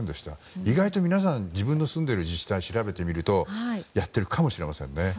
意外と皆さん自分の住んでいる自治体を調べるとやっているかもしれませんね。